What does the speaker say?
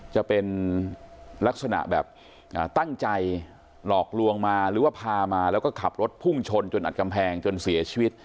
จะเป็นลักษณะแบบตั้งใจหลอกลวงมาหรือว่าพามาแล้วก็ขับรถพุ่งชนจนอัดกำแพงจนเสียชีวิต